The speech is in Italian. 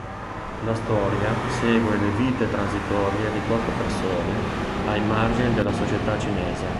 La storia segue le vite transitorie di quattro persone ai margini della società cinese.